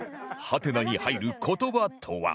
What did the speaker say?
ハテナに入る言葉とは？